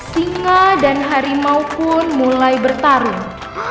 singa dan harimau pun mulai bertarung